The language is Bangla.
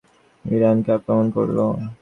বিপ্লবের এক বছর পর, ইরাক ইরানকে আক্রমণ করল।